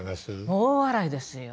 大笑いですよ。